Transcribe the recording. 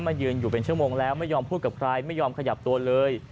ยืนอยู่เป็นชั่วโมงแล้วไม่ยอมพูดกับใครไม่ยอมขยับตัวเลย